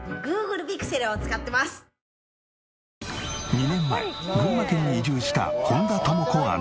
２年前群馬県に移住した本田朋子アナ。